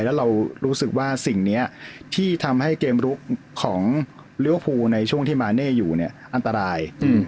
แล้วเรารู้สึกว่าสิ่งนี้ที่ทำให้เกมลุกของลิเวอร์ฟูลในช่วงที่มาเน่อยู่เนี่ยอันตราย